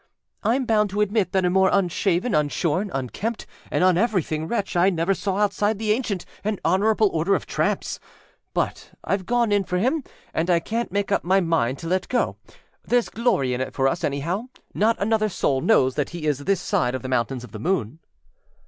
âIâm bound to admit that a more unshaven, unshorn, unkempt, and uneverything wretch I never saw outside the ancient and honorable order of tramps. But Iâve gone in for him, and canât make up my mind to let go. Thereâs glory in it for us, anyhow. Not another soul knows that he is this side of the Mountains of the Moon.